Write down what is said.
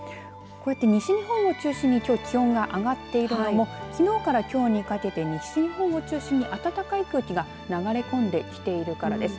西日本を中心にきょう気温が上がっているもののきのうからきょうにかけて西日本を中心に暖かい空気が流れ込んできているからです。